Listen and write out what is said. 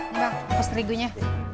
ini bang pus terigunya